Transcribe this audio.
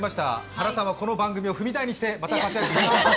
原さんはこの番組を踏み台にして、また活躍してくれます。